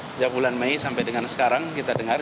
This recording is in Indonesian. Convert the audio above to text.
sejak bulan mei sampai dengan sekarang kita dengar